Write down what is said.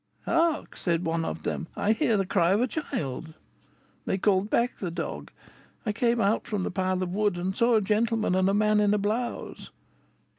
'Hark!' said one of them; 'I hear the cry of a child.' They called back the dog; I came out from the pile of wood, and saw a gentleman and a man in a blouse.